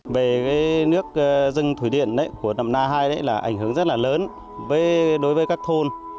về nước rừng thủy điện của năm na hai là ảnh hưởng rất là lớn đối với các thôn